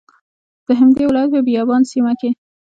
د همدې ولایت په بایان سیمه کې